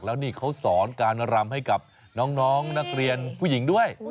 แล้วนี่เขาสอนการรำให้กับน้องนักเรียนผู้หญิงด้วย